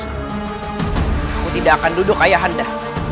aku tidak akan duduk ayah anda